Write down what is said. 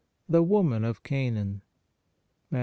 THE WOMAN OF CANAAN Mat.